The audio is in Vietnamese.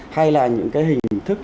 hay là những cái hình thức